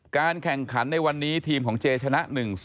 การแข่งขันในวันนี้ทีมของเจชนะ๑๐